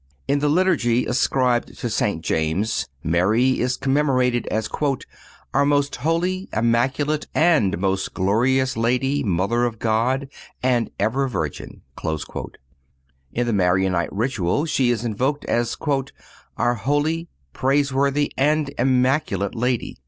In the liturgy ascribed to St. James, Mary is commemorated as "our most holy, immaculate and most glorious Lady, Mother of God and ever Virgin Mary."(238) In the Maronite Ritual she is invoked as "our holy, praiseworthy and immaculate Lady."